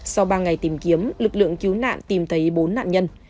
sau ba ngày tìm kiếm lực lượng cứu nạn tìm thấy bốn nạn nhân